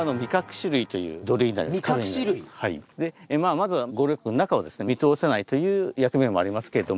まずは五稜郭の中を見通せないという役目もありますけれども。